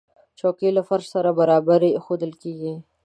چوکۍ له فرش سره برابرې ایښودل کېږي.